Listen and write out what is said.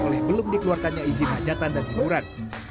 oleh belum dikeluarkannya izin hajatan dan hiburan